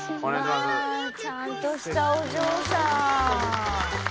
うわー！ちゃんとしたお嬢さん。